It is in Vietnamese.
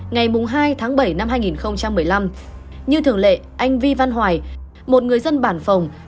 ngày hai tháng bảy năm hai nghìn một mươi năm như thường lệ anh vi văn hoài một người dân bản phòng